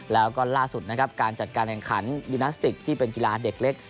แล้วก็ล่าสุดนะครับการจัดการแข่งขันยูนาสติกที่เป็นกีฬาเด็กเล็ก